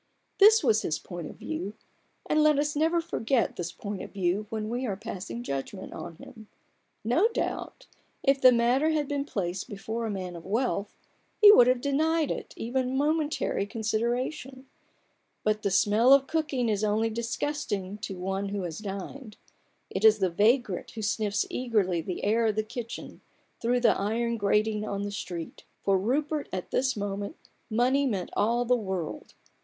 This was his point of view; and let us never forget this point of view when we are passing judgment on him. No doubt, if the matter had been placed before a man of wealth, he would have denied it even momentary consideration : but the smell of cooking is only disgusting to one who has dined ; it is the vagrant who sniffs eagerly the air of the kitchen through the iron grating on the street. For Rupert, at this moment, money meant all the world.